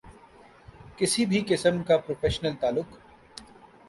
کسی بھی قسم کا پروفیشنل تعلق